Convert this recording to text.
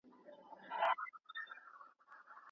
چا ویل چي ستا له کوڅې لیري به برباد سمه